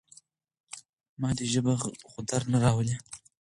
مادي ژبه غدر نه راولي.